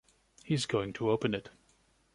He is going to open it.